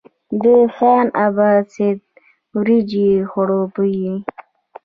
د خان اباد سیند وریجې خړوبوي